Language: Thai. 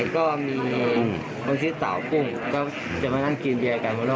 กินเดียกินอะไรบางอย่าง